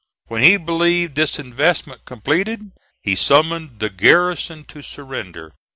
When he believed this investment completed, he summoned the garrison to surrender.